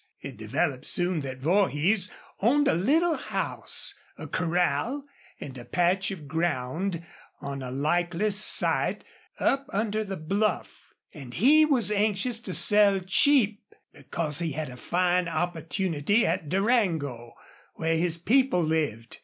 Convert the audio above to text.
It developed soon that Vorhees owned a little house, a corral, and a patch of ground on a likely site up under the bluff, and he was anxious to sell cheap because he had a fine opportunity at Durango, where his people lived.